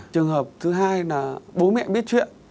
trường hợp thứ hai là bố mẹ biết chuyện